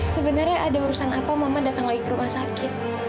sebenarnya ada urusan apa mama datang lagi ke rumah sakit